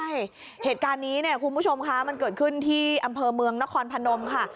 ใช่เหตุการณ์นี้เนี่ยคุณผู้ชมคะมันเกิดขึ้นที่อำเภอเมืองนครพนมค่ะ